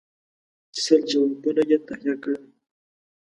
سل جوابونه یې تهیه کړل.